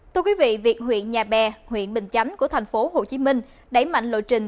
thưa quý vị việc huyện nhà bè huyện bình chánh của tp hcm đẩy mạnh lộ trình